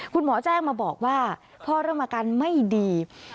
คุณหมอแจ้งมาบอกว่าพ่อเริ่มอาการไม่ดี